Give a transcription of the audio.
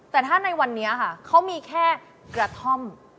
แต่ถ้าในวันนี้ค่ะเขามีแค่กระท่อม